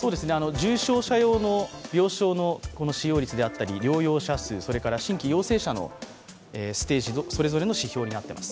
重症者用の病床使用率だったり、療養者率、それから新規陽性者のステージ、それぞれの指標になっています。